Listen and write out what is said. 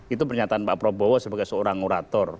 itu pernyataan pak prabowo sebagai seorang orator